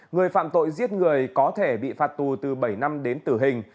người phạm tội giết người có thể bị phạt tù từ bảy năm đến tử hình